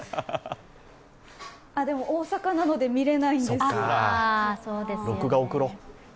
でも、大阪なので見れないんです録画、送ろう。